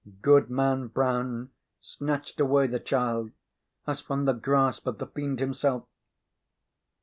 Goodman Brown snatched away the child as from the grasp of the fiend himself.